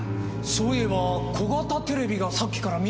そういえば小型テレビがさっきから見当たらなくて。